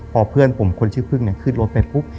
พอเพื่อนผมคนชื่อพึ่งเนี่ยขึ้นรถไปปุ๊บ